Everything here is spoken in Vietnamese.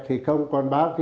thì không còn bác